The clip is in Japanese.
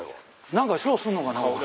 何かショーすんのかな？